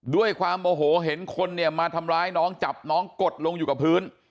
ด้วยความโมโหเห็นคนเนี่ยมาทำร้ายน้องจับน้องกดลงอยู่กับพื้น